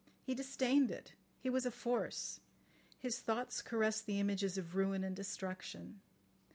He disdained it. He was a force. His thoughts caressed the images of ruin and destruction.